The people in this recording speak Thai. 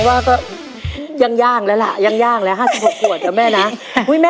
ถ้าเขาไม่เลี้ยงแม่ไปอยู่กับหนูนะ